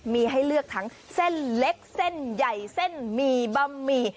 มีให้เลือกทั้งเส้นเล็กเส้นใหญ่เส้นหมี่บะหมี่